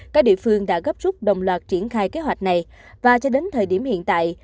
bộ y tế đã gấp rút đồng loạt triển khai kế hoạch này và cho đến thời điểm hiện tại